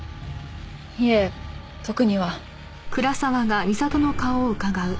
いいえ特には。